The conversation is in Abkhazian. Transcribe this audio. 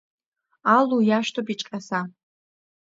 Алу иашьҭоуп иҿҟьаса.